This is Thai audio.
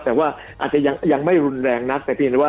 แต่ว่าอาจจะยังไม่รุนแรงนัก